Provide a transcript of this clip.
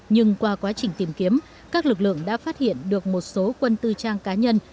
nhưng qua quá trình tìm kiếm các lực lượng đã phát hiện được một số quân tư trang cá nhân